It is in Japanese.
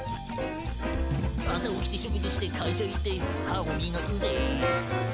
「朝起きて食事して会社行って歯をみがくぜ」